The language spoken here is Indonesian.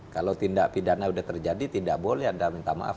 kalau tindak pidana sudah terjadi tidak boleh ada minta maaf